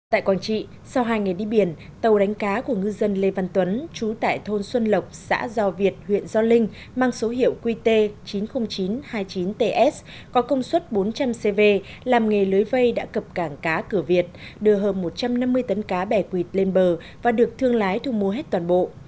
tại quảng trị sau hai ngày đi biển tàu đánh cá của ngư dân lê văn tuấn chú tại thôn xuân lộc xã do việt huyện gio linh mang số hiệu qt chín mươi nghìn chín trăm hai mươi chín ts có công suất bốn trăm linh cv làm nghề lưới vây đã cập cảng cá cửa việt đưa hơn một trăm năm mươi tấn cá bè quỳt lên bờ và được thương lái thu mua hết toàn bộ